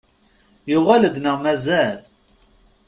Yuɣal-d neɣ mazal?